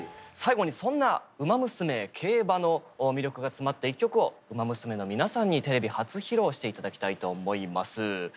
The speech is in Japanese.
最後にそんな「ウマ娘」競馬の魅力が詰まった一曲をウマ娘の皆さんにテレビ初披露して頂きたいと思います。